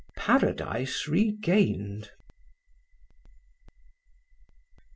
Paradise Regained.